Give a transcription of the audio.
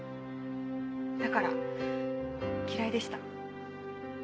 だから嫌いでした。